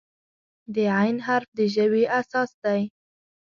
د "ع" حرف د ژبې اساس دی.